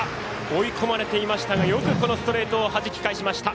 追い込まれていましたがよくストレートをはじき返しました。